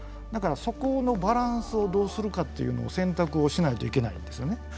だからそこのバランスをどうするかっていうのを選択をしないといけないんですよね。